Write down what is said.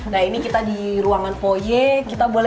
nah ini kita di ruangan foyer